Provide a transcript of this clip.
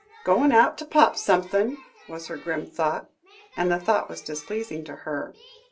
"Goin' out to pop somethin'," was her grim thought, and the thought was displeasing to her.